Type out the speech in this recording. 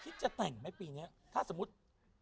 จะแต่งไหมปีนี้ถ้าสมมุติ